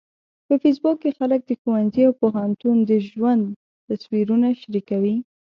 په فېسبوک کې خلک د ښوونځي او پوهنتون د ژوند تصویرونه شریکوي